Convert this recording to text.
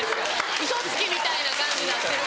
ウソつきみたいな感じになって。